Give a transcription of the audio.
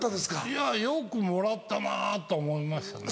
いやよくもらったなと思いましたね。